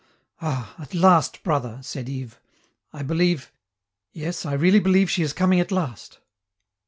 "Ah! at last, brother," said Yves, "I believe yes, I really believe she is coming at last."